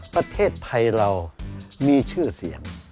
ประเทศไทยเรามีชื่อเสียง